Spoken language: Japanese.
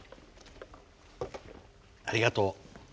ありがとう。